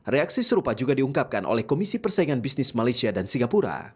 reaksi serupa juga diungkapkan oleh komisi persaingan bisnis malaysia